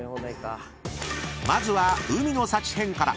［まずは海の幸編から］